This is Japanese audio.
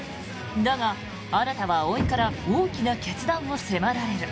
だが、新は葵から大きな決断を迫られる。